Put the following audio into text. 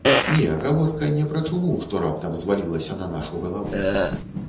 Не, гаворка не пра чуму, што раптам звалілася на нашу галаву.